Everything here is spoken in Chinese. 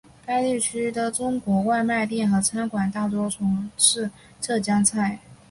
该地区的中国外卖店和餐馆大多从事浙江菜。